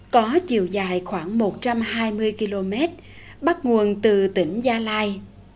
có chiều dài khoảng một trăm hai mươi km bắt nguồn từ tỉnh gia lai